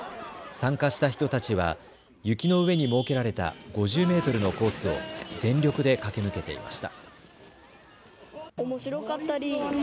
参加した人たちは雪の上に設けられた５０メートルのコースを全力で駆け抜けていました。